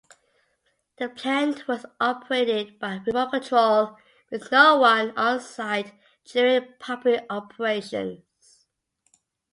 The plant was operated by remote control with no one onsite during pumping operations.